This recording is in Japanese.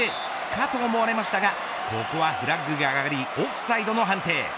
かと思われましたがここはフラッグが上がりオフサイドの判定。